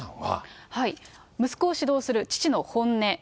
息子を指導する父の本音。